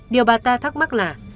điều bà ta thắc mắc là